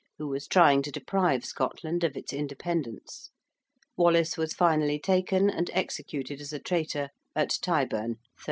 who was trying to deprive Scotland of its independence. Wallace was finally taken and executed as a traitor at Tyburn, 1305.